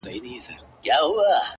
• بې مشاله مي رویباره چي رانه سې,